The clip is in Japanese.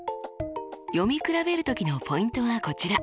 読み比べる時のポイントはこちら。